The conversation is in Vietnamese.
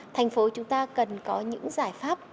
thành phố chúng ta cần có những giải pháp